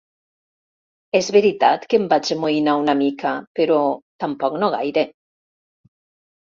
És veritat que em vaig amoïnar una mica, però tampoc no gaire.